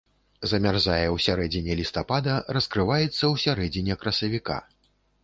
Замярзае ў сярэдзіне лістапада, раскрываецца ў сярэдзіне красавіка.